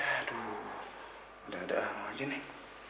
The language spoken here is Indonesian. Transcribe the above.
aduh udah ada ahma aja nih